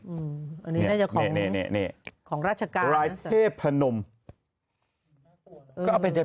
อันนี้น่าจะของราชการน่ะสา